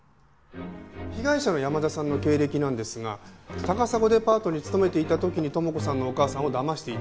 被害者の山田さんの経歴なんですが高砂デパートに勤めていた時に友子さんのお母さんを騙していたそうです。